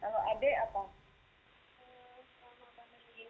kalau pandemi ini nggak tahu